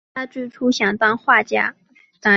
他最初想当画家。